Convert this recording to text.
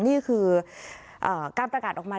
นี่คือการประกาศออกมา